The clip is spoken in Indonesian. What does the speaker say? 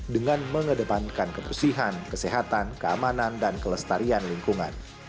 dengan mengedepankan kebersihan kesehatan keamanan dan kelestarian lingkungan